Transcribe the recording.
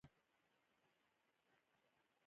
په مشرتابه باندې سره جوړ نه شول.